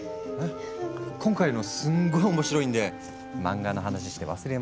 今回のすんごい面白いんで漫画の話して忘れましょね。